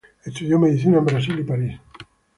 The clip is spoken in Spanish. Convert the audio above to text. Estudió medicina en Brasil y París.